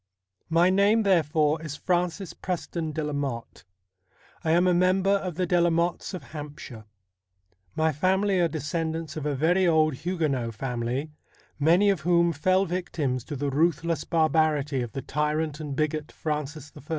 My name, therefore, is Francis Preston de la Motte. I am a member of the De la Mottes of Hampshire. My family are descendants of a very old Huguenot family, many of whom fell victims to the ruthless barbarity of the tyrant and bigot Francis I.